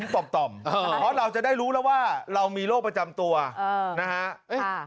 ต่อมเพราะเราจะได้รู้แล้วว่าเรามีโรคประจำตัวนะฮะ